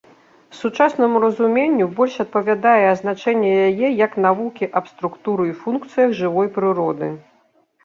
Сучаснаму разуменню больш адпавядае азначэнне яе як навукі аб структуры і функцыях жывой прыроды.